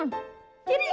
gue harus sembarangan dong